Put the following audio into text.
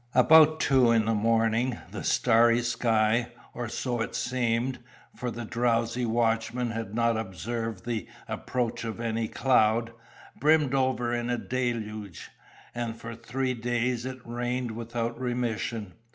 About two in the morning, the starry sky or so it seemed, for the drowsy watchman had not observed the approach of any cloud brimmed over in a deluge; and for three days it rained without remission.